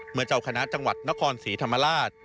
เจ้าคณะจังหวัดนครศรีธรรมราช